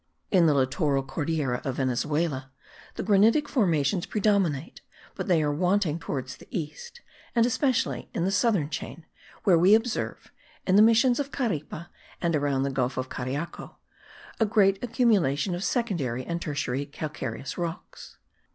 In the littoral Cordillera of Venezuela the granitic formations predominate; but they are wanting towards the east, and especially in the southern chain, where we observe (in the missions of Caripe and around the gulf of Cariaco) a great accumulation of secondary and tertiary calcareous rocks.